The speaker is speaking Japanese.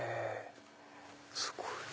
すごい。